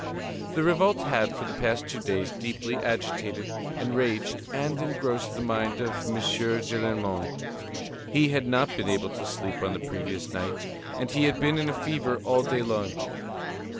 The revolt had, for the past two days, deeply agitated, enraged and engrossed the mind of M. Gillenormand. He had not been able to sleep on the previous night, and he had been in a fever all day long.